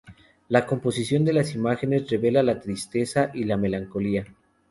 La composición de las imágenes revela la tristeza y la melancolía.